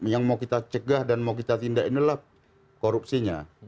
yang mau kita cegah dan mau kita tindak inilah korupsinya